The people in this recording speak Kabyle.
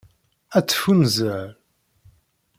Ad teffunzer.